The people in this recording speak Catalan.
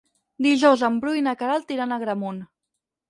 Dijous en Bru i na Queralt iran a Agramunt.